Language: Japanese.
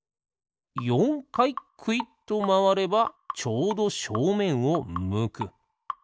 かいくいっとまわればちょうどしょうめんをむく。